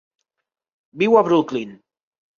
Viu a Brooklyn.